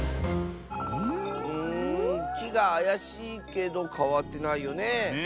んきがあやしいけどかわってないよねえ。